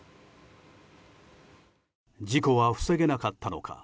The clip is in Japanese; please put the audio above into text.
事故は防げなかったのか。